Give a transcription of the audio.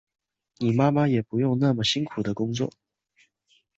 你妈妈也不用那么辛苦的工作